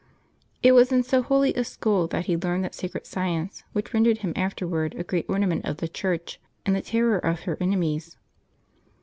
It was in so holy a school that he learned that sacred science which rendered him afterward a great ornament of the Church and the terror of her enemies.